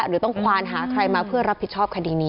หรือต้องควานหาใครมาเพื่อรับผิดชอบคดีนี้